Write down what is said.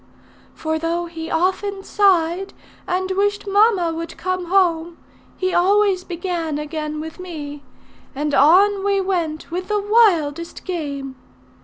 For though he often sighed and wished mamma would come home, he always began again with me; and on we went with the wildest games.